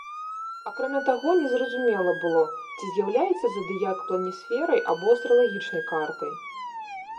Акрамя таго, незразумела было, ці з'яўляецца задыяк планісферай або астралагічнай картай.